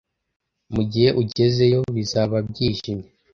Mugihe ugezeyo, bizaba byijimye